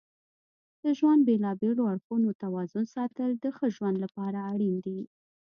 د ژوند د بیلابیلو اړخونو توازن ساتل د ښه ژوند لپاره اړین دي.